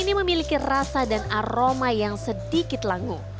ini memiliki rasa dan aroma yang sedikit langu